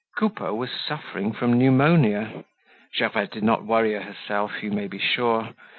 Coupeau was suffering from pneumonia. Gervaise did not worry herself, you may be sure.